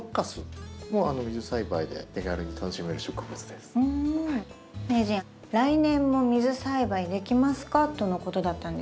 「来年も水栽培できますか？」とのことだったんですけどできますか？